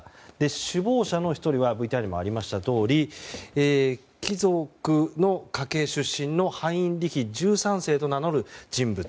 首謀者の１人はＶＴＲにもありましたとおり貴族の家系出身のハインリヒ１３世と名乗る人物。